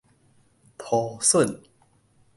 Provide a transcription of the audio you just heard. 塗筍